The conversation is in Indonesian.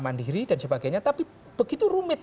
mandiri dan sebagainya tapi begitu rumit